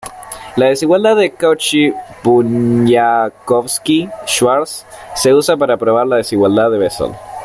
La desigualdad de Cauchy-Bunyakovsky-Schwarz se usa para probar la desigualdad de Bessel.